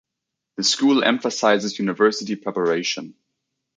The school emphasizes university preparation.